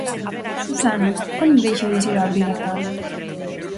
Susana, onde deixa de ser obrigatoria?